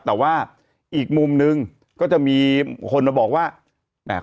แต่ว่าอีกมุมนึงก็จะมีคนมาบอกว่าอ่า